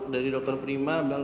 dari dokter prima